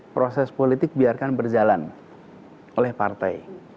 proses politik biarkan berjalan oleh partai